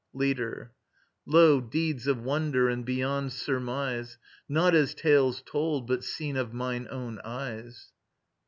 LEADER. Lo, deeds of wonder and beyond surmise, Not as tales told, but seen of mine own eyes.